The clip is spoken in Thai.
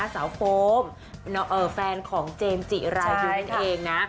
โฟมแฟนของเจมส์จิรายุนั่นเองนะ